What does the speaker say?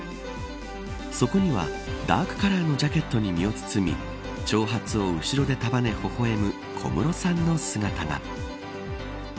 そこには、ダークカラーのジャケットに身を包み挑発を後ろで束ね、ほほ笑む小室さんの姿が。